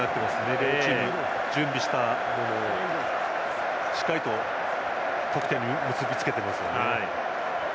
両チーム準備したものをしっかりと得点に結び付けてますね。